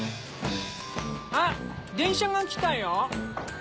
あっ電車が来たよ。